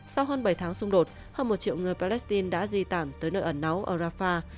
sau hơn bảy tháng xung đột hơn một triệu người palestine đã di tản tới nơi ẩn náu ở rafah